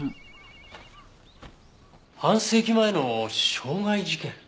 半世紀前の傷害事件？